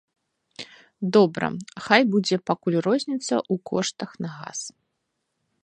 Добра, хай будзе пакуль розніца ў коштах на газ.